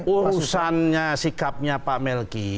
urusannya sikapnya pak melki